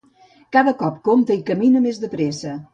Cada cop compta i camina més de pressa.